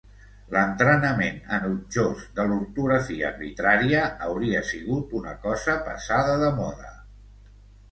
L'entrenament enutjós de l'ortografia arbitrària hauria sigut una cosa passada de moda.